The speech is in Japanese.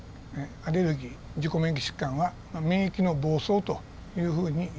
アレルギー自己免疫疾患は免疫の暴走というふうにいえます。